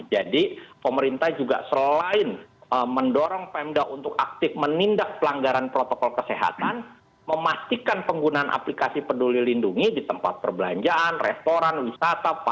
jadi pemerintah juga selain mendorong pemda untuk aktif menindak pelanggaran protokol kesehatan memastikan penggunaan aplikasi peduli lindungi di tempat perbelanjaan restoran wisata pasar dan sebagainya